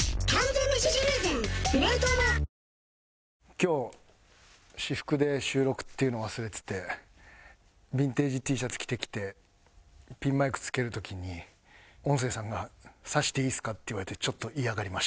今日私服で収録っていうのを忘れててヴィンテージＴシャツ着てきてピンマイク付ける時に音声さんが「刺していいですか？」って言われて。